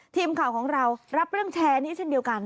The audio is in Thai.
ทีมข่าวของเรารับเรื่องแชร์นี้เช่นเดียวกัน